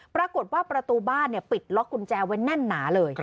ปรากฏว่าประตูบ้านปิดล็อกกุญแจไว้แน่นหนาเลย